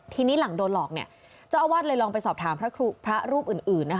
ทีนี้หลังโดนหลอกเจ้าอาวาสเลยลองไปสอบถามพระรูปอื่น